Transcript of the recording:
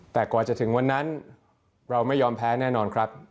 แต่กว่าจะถึงวันนั้นเราไม่ยอมแพ้แน่นอนครับ